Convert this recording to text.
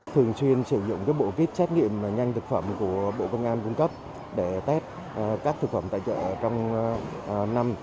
thường xuyên sử dụng bộ vít xét nghiệm nhanh thực phẩm của bộ công an cung cấp để test các thực phẩm tại chợ trong năm